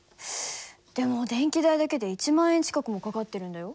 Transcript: でも電気代だけで１万円近くもかかってるんだよ。